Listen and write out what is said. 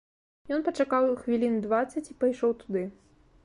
Ён пачакаў хвілін дваццаць і пайшоў туды.